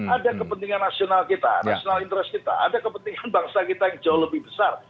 ada kepentingan nasional kita rational interest kita ada kepentingan bangsa kita yang jauh lebih besar